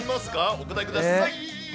お答えください。